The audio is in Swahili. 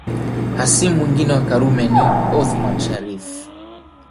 Hasimu mwingine wa Karume ni Othman Sharrif